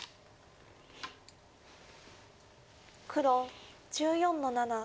黒１４の七。